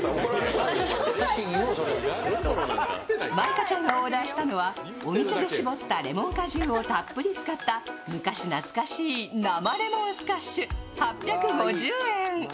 舞香ちゃんがオーダーしたのはお店で搾ったレモン果汁をたっぷり使った、昔懐かしい生レモンスカッシュ８５０円。